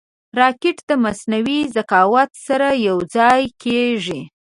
راکټ د مصنوعي ذکاوت سره یوځای کېږي